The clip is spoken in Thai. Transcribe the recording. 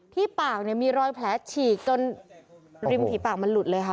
ที่ปากเนี่ยมีรอยแผลฉีกจนริมฝีปากมันหลุดเลยค่ะ